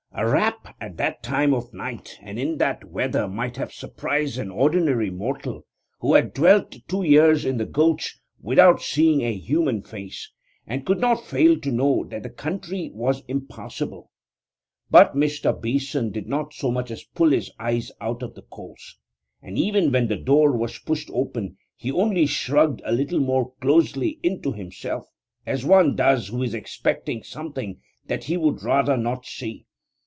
A rap at that time of night and in that weather might have surprised an ordinary mortal who had dwelt two years in the gulch without seeing a human face, and could not fail to know that the country was impassable; but Mr. Beeson did not so much as pull his eyes out of the coals. And even when the door was pushed open he only shrugged a little more closely into himself, as one does who is expecting something that he would rather not see.